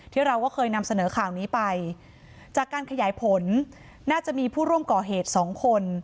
เราก็เคยนำเสนอข่าวนี้ไปจากการขยายผลน่าจะมีผู้ร่วมก่อเหตุสองคน